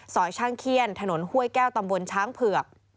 ช่างเขี้ยนถนนห้วยแก้วตำบลช้างเผือก